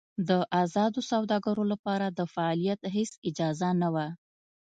د ازادو سوداګرو لپاره د فعالیت هېڅ اجازه نه وه.